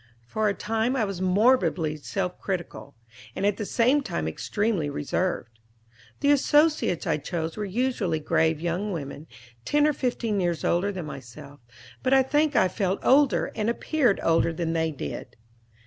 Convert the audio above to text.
For a time I was morbidly self critical, and at the same time extremely reserved. The associates I chose were usually grave young women, ten or fifteen years older than myself; but I think I felt older and appeared older than they did.